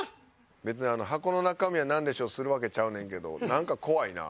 別に「箱の中身はなんでしょう？」するわけちゃうねんけどなんか怖いな。